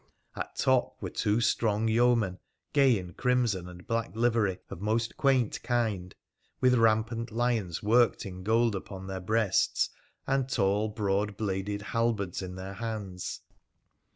At top were two strong yeomen, gay in crimson and black livery, of most quaint kind, with rampant lions worked in gold upon their breasts, and tall, broad bladed halberds in their hands.